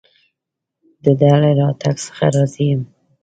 د ده له راتګ څخه راضي یم.